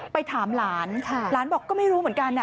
ไปถามหลานหลานบอกก็ไม่รู้เหมือนกัน